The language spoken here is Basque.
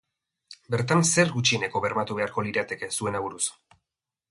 Bertan zer gutxieneko bermatu beharko lirateke, zuen aburuz?